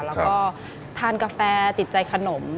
แล้วก็ทานกาแฟติดใจขนม